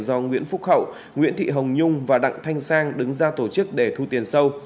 do nguyễn phúc hậu nguyễn thị hồng nhung và đặng thanh sang đứng ra tổ chức để thu tiền sâu